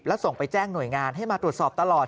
แล้วส่งไปแจ้งหน่วยงานให้มาตรวจสอบตลอด